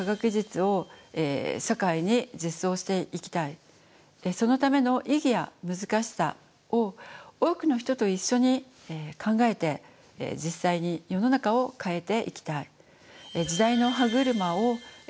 これからもっとそのための意義や難しさを多くの人と一緒に考えて実際に世の中を変えていきたい。